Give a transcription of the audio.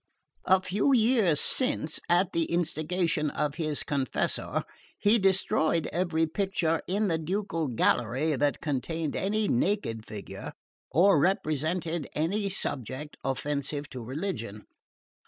"A few years since, at the instigation of his confessor, he destroyed every picture in the ducal gallery that contained any naked figure or represented any subject offensive to religion.